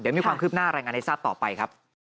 มีความคืบหน้ารายงานให้ทราบต่อไปครับ